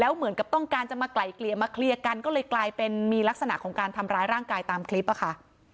เหมือนกับต้องการจะมาไกลเกลี่ยมาเคลียร์กันก็เลยกลายเป็นมีลักษณะของการทำร้ายร่างกายตามคลิปอะค่ะ